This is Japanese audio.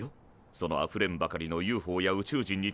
そのあふれんばかりのＵＦＯや宇宙人に対する興味。